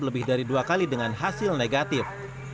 lebih dari dua kali dengan hasil negatif